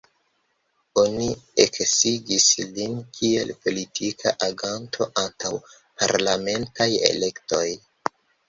Oni eksigis lin kiel politika aganto antaŭ parlamentaj elektoj.